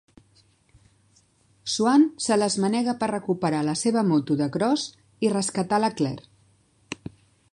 Swann se les manega per recuperar la seva moto de cros i rescatar la Claire.